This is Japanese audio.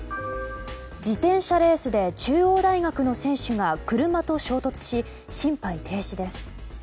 自転車レースで中央大学の選手が車と衝突し心肺停止です。